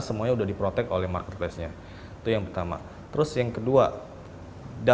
sejak dari dua ribu dua puluh dua kita sudah tidak dapat informasi data detail